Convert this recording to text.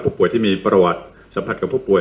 ผู้ป่วยที่มีประวัติสัมผัสกับผู้ป่ว